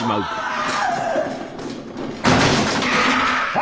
あ！